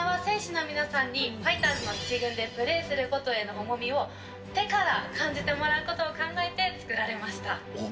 こちらは選手の皆さんに、ファイターズの１軍でプレーすることへの重みを、手から感じてもらうことを考えて作られました。